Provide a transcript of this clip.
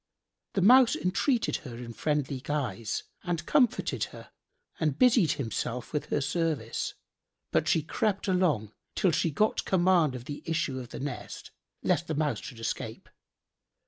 The Mouse entreated her in friendly guise and comforted her and busied himself with her service; but she crept along till she got command of the issue of the nest, lest the Mouse should escape.